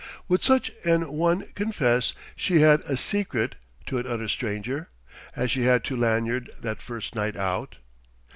Would such an one confess she had a "secret" to an utter stranger, as she had to Lanyard that first night out?